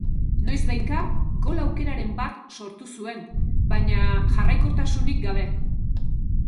Noizbehinka gol aukeraren bat sortu zuen, baina jarraikortasunik gabe.